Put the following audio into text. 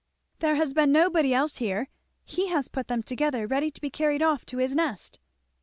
"There has been nobody else here. He has put them together, ready to be carried off to his nest."